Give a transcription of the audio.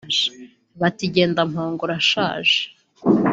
bati “Genda Mpongo urashaje